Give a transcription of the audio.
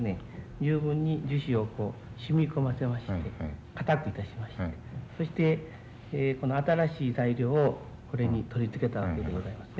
十分に樹脂をこう染み込ませまして硬くいたしましてそして新しい材料をこれに取り付けたわけでございまして。